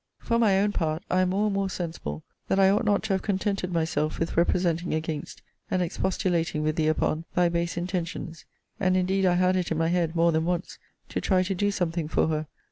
For my own part, I am more and more sensible that I ought not to have contented myself with representing against, and expostulating with thee upon, thy base intentions: and indeed I had it in my head, more than once, to try to do something for her.